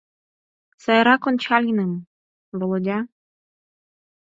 Сайрак ончальым — Володя!